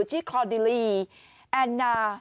ที่คลอดิลีแอนนา